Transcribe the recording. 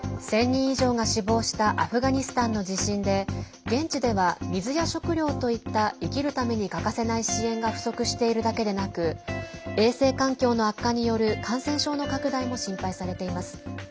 １０００人以上が死亡したアフガニスタンの地震で現地では水や食料といった生きるために欠かせない支援が不足しているだけでなく衛生環境の悪化による感染症の拡大も心配されています。